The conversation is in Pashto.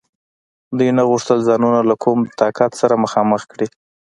دوی نه غوښتل ځانونه له کوم طاقت سره مخامخ کړي.